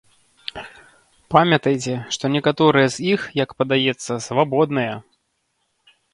Памятайце, што некаторыя з іх, як падаецца, свабодныя!